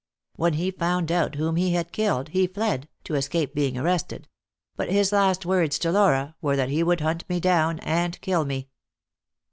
When he found out whom he had killed, he fled, to escape being arrested; but his last words to Laura were that he would hunt me down and kill me.